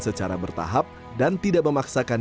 secara bertahap dan tidak memaksakan